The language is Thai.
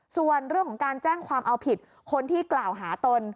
ส่วนเรื่องของการแจ้งความเอาผิดคนที่กล่าวหาตน